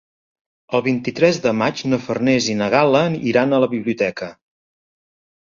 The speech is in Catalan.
El vint-i-tres de maig na Farners i na Gal·la iran a la biblioteca.